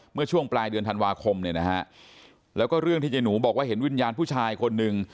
เมื่อช่วงปลายเดือนธันวาคมเนี่ยนะฮะแล้วก็เรื่องที่เจ๊หนูบอกว่าเห็นวิญญาณผู้ชายคนหนึ่ง